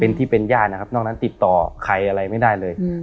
เป็นที่เป็นญาตินะครับนอกนั้นติดต่อใครอะไรไม่ได้เลย